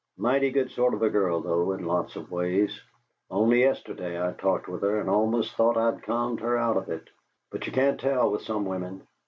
Mighty good sort of a girl, though, in lots of ways. Only yesterday I talked with her and almost thought I'd calmed her out of it. But you can't tell with some women.